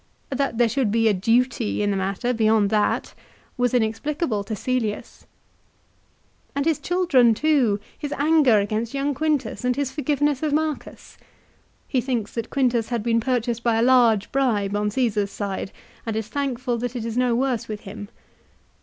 That there should be a duty in the matter, beyond that, was inexplicable to Cselius. i Ad Att. lib. x. 4. THE WAR BETWEEN CJSSAR AND POMPEY. 147 And his children too ; his anger against young Quintus and his forgiveness of Marcus ! He thinks that Quintus had been purchased by a large bribe on Caesar's side, and is thankful that it is no worse with him.